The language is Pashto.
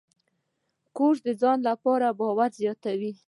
کورس د ځان باور زیاتوي.